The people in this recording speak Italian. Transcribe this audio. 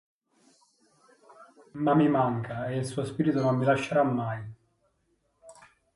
Ma mi manca, e il suo spirito non mi lascerà mai.